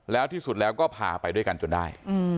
แล้วที่สุดแล้วก็พาไปด้วยกันจนได้